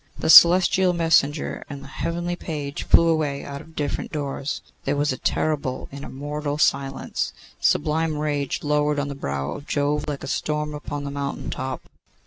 The celestial messenger and the heavenly page flew away out of different doors. There was a terrible, an immortal silence. Sublime rage lowered on the brow of Jove like a storm upon the mountain top.